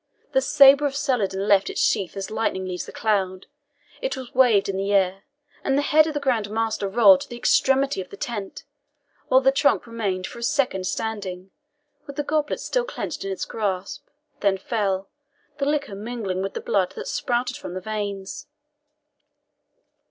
The sabre of Saladin left its sheath as lightning leaves the cloud. It was waved in the air, and the head of the Grand Master rolled to the extremity of the tent, while the trunk remained for a second standing, with the goblet still clenched in its grasp, then fell, the liquor mingling with the blood that spurted from the veins.